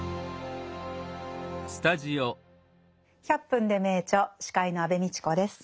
「１００分ｄｅ名著」司会の安部みちこです。